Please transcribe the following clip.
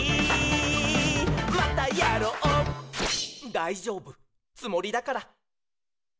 「だいじょうぶつもりだから」